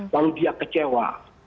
lalu dia kecewa